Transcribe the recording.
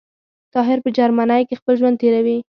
طاهر په جرمنی کي خپل ژوند تیروی